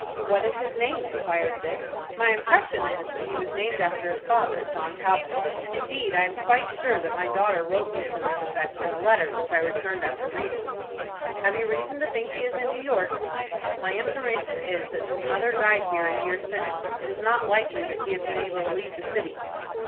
"What is his name?" inquired Dick. "My impression is, that he was named after his father, John Talbot. Indeed, I am quite sure that my daughter wrote me to this effect in a letter which I returned after reading." "Have you reason to think he is in New York?" "My information is, that his mother died here a year since. It is not likely that he has been able to leave the city."